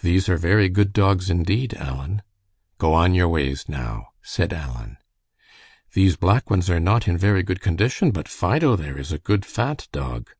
"These are very good dogs, indeed, Alan." "Go on your ways, now," said Alan. "These black ones are not in very good condition, but Fido there is a good, fat dog."